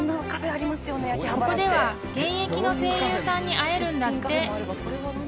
［ここでは現役の声優さんに会えるんだって］